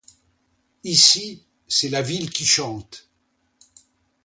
Ici, c'est la ville qui chante.